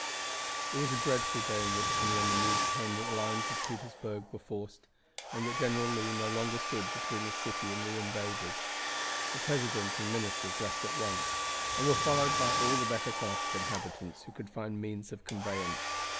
It was a dreadful day in Richmond when the news came that the lines of Petersburg were forced, and that General Lee no longer stood between the city and the invaders. The president and ministers left at once, and were followed by all the better class of inhabitants who could find means of conveyance.